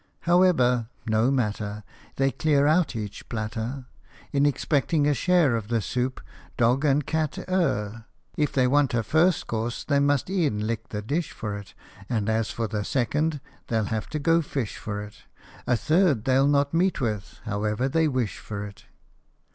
However, no matter ! They clear out each platter : In expecting a share of the soup, dog and cat err ; If they want a first course they must e'en lick the dish for it, And as for the second, they '11 have to go fish for it A third they '11 not meet with, however they wish for it.